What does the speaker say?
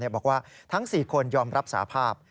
บอกว่าทั้ง๔คนยอมรับสาภาพ